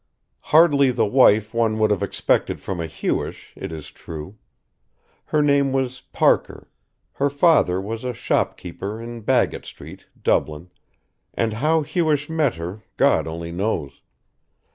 Hardly the wife one would have expected from a Hewish, it is true. Her name was Parker, her father was a shop keeper in Baggot Street, Dublin, and how Hewish met her God only knows.